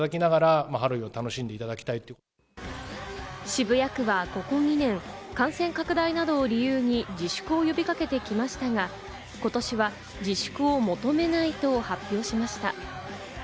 渋谷区はここ２年、感染拡大などを理由に自粛を呼びかけてきましたが、今年は自粛を求めないと発表しました。